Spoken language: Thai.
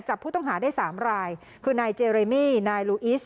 จับผู้ต้องหาได้สามรายคือนายเจเรมี่นายลูอิส